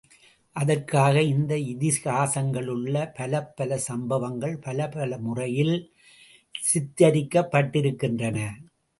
அதற்காக இந்த இதிகாசங்களிலுள்ள பலப்பல சம்பவங்கள் பலப்பல முறையில் சித்திரிக்கப்பட்டிருக்கின்றன.